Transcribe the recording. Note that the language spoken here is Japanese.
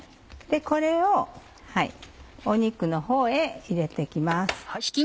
これを肉のほうへ入れて行きます。